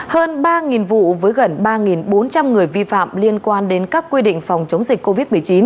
hơn ba vụ với gần ba bốn trăm linh người vi phạm liên quan đến các quy định phòng chống dịch covid một mươi chín